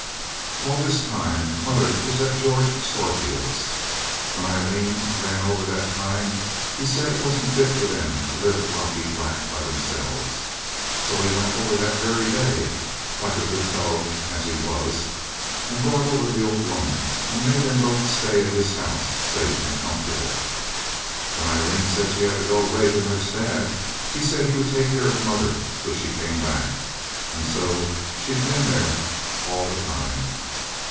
All this time mother was at George Storefield's. When Aileen ran over that time, he said it wasn't fit for them to live at Rocky Flat by themselves. So he went over that very day like a good fellow, as he was and brought over the old woman, and made them both stay at his house, safe and comfortable. When Aileen said she had to go away to nurse dad he said he would take care of mother till she came back, and so she'd been there all the time.